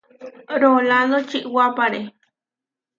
Rolándo čiʼwápare.